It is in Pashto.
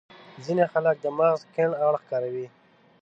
ځينې خلک د مغز کڼ اړخ کاروي.